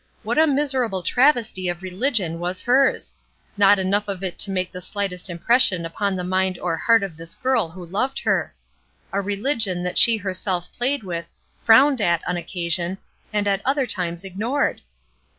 What a miser able travesty of religion was hers ! not enough of it to make the slightest impression upon the niind or heart of this girl who loved her ! A rehgion that she herself played with, frowned at on occasion, and at other times ignored